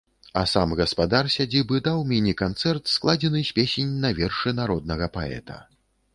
А сам гаспадар сядзібы даў міні-канцэрт, складзены з песень на вершы народнага паэта.